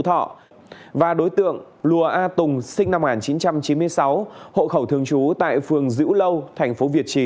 thọ và đối tượng lùa a tùng sinh năm một nghìn chín trăm chín mươi sáu hộ khẩu thường trú tại phường dữ lâu thành phố việt trì